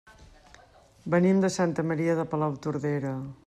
Venim de Santa Maria de Palautordera.